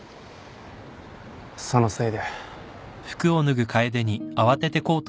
そのせいで。